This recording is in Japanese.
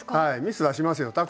はいミスはしますよ。